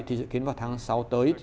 thì dự kiến vào tháng sáu tới